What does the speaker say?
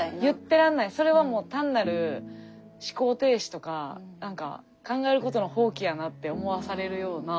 それはもう単なる思考停止とか考えることの放棄やなって思わされるような本であった気がしますね